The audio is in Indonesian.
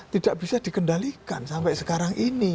tidak bisa dikendalikan sampai sekarang ini